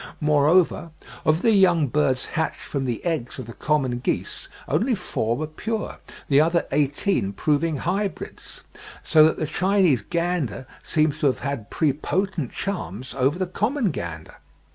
Moreover, of the young birds hatched from the eggs of the common geese, only four were pure, the other eighteen proving hybrids; so that the Chinese gander seems to have had prepotent charms over the common gander.